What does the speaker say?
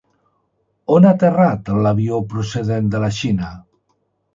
On ha aterrat l'avió procedent de la Xina?